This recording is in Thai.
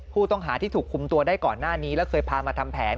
ผู้ต้องหาที่ถูกคุมตัวได้ก่อนหน้านี้แล้วเคยพามาทำแผน